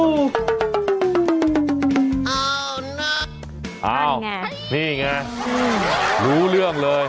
มานเงนี่ไงรู้เรื่องเลย